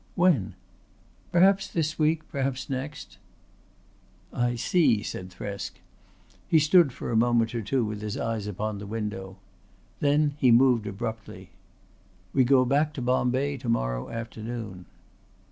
"When?" "Perhaps this week, perhaps next." "I see," said Thresk. He stood for a moment or two with his eyes upon the window. Then he moved abruptly. "We go back to Bombay to morrow afternoon."